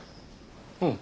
うん